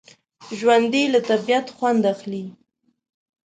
ژوندي له طبعیت خوند اخلي